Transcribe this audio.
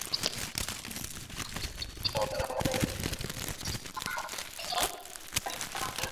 Epuka kukutanisha wanyama wagonjwa na wasio na maambukizi